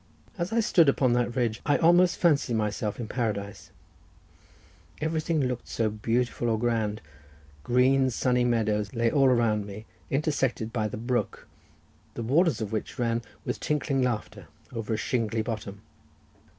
As I stood upon that bridge, I almost fancied myself in paradise; everything looked so beautiful or grand—green, sunny meadows lay all around me, intersected by the brook, the waters of which ran with tinkling laughter over a shingley bottom.